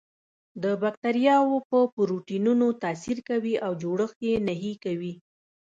د باکتریاوو په پروتینونو تاثیر کوي او جوړښت یې نهي کوي.